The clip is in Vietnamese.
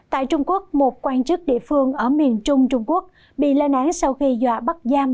tại trung quốc một quan chức địa phương ở miền trung trung quốc bị lên án sau khi dọa bắt giam